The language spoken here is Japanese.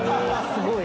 すごい。